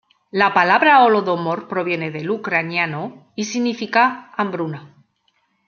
La palabra Holodomor proviene del ucraniano, y significa "hambruna".